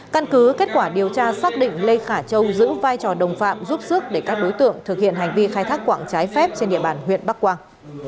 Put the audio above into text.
căn cứ kết quả điều tra xác định lê khả châu giữ vai trò đồng phạm giúp sức để các đối tượng thực hiện hành vi khai thác quảng trái phép trên địa bàn huyện bắc quang